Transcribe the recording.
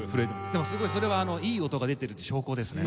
でもすごいそれはいい音が出てるって証拠ですね。